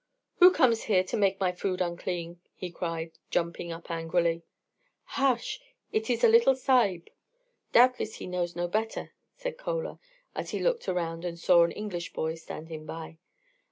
"Who comes here to make my food unclean," he cried, jumping up angrily. "Hush! It is a little Sahib. Doubtless he knows no better," said Chola, as he looked around and saw an English boy standing by.